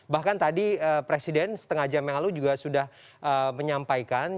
bahkan tadi presiden setengah jam yang lalu juga sudah menyampaikan